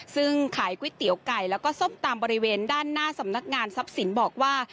ซึ่งขายก๋วยเตี๋ยวไก่แล้วก็ส้มตำบริเวณด้านหน้าสำนักงานทรัพย์สินบอกว่า